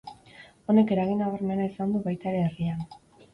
Honek eragin nabarmena izan du baita ere herrian.